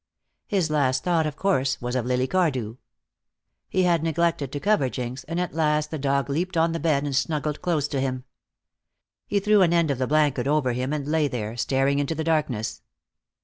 His last thought, of course, was of Lily Cardew. He had neglected to cover Jinx, and at last the dog leaped on the bed and snuggled close to him. He threw an end of the blanket over him and lay there, staring into the darkness.